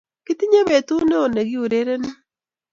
Kitinye betut neoo nekiurereni